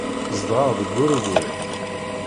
Zedɣeɣ deg Urugway.